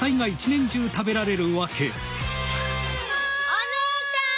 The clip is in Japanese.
お姉ちゃん！